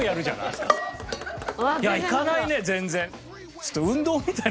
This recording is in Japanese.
いかないね全然。